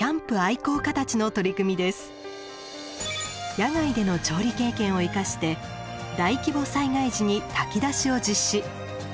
野外での調理経験をいかして大規模災害時に炊き出しを実施。